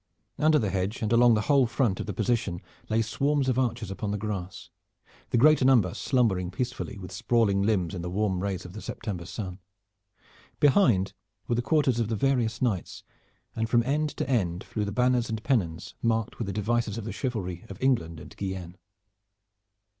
Under the hedge and along the whole front of the position lay swarms of archers upon the grass, the greater number slumbering peacefully with sprawling limbs in the warm rays of the September sun. Behind were the quarters of the various knights, and from end to end flew the banners and pennons marked with the devices of the chivalry of England and Guienne.